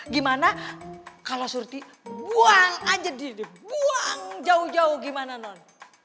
gimana kalau surti buang aja diri dia buang jauh jauh gimana non